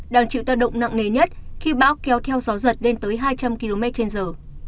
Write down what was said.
đang chịu tác động nặng nề nhất khi bão kéo theo gió giật lên tới hai trăm linh km trên giờ